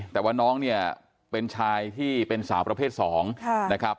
แต่ว่าน้องเนี่ยเป็นชายที่เป็นสาวประเภท๒นะครับ